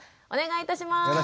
お願いいたします。